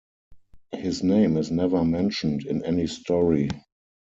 His name is never mentioned in any story.